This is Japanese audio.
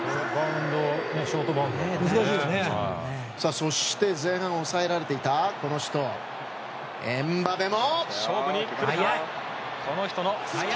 そして前半抑えられていたこの人エムバペも。